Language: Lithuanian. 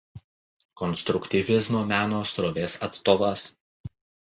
Konstruktyvizmo meno srovės atstovas.